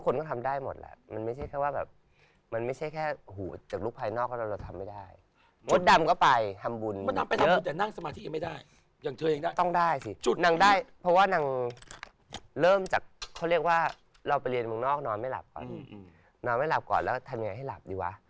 นอนไม่หลับก่อนแล้วทำยังไงให้หลับดีวะ